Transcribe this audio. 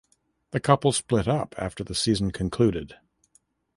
The couple split up after the season concluded.